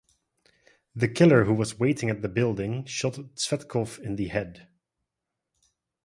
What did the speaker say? The killer who was waiting at the building shot Tsvetkov in the head.